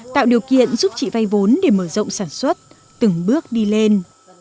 tạo điều kiện giúp chị vay vốn để mở rộng sản xuất từng bước đi lên